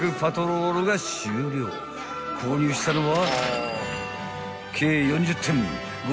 ［購入したのは］